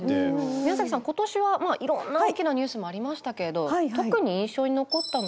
宮崎さんことしはいろんな大きなニュースもありましたけど特に印象に残ったのってどんなことでしょう？